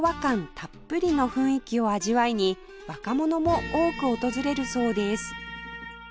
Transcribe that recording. たっぷりの雰囲気を味わいに若者も多く訪れるそうです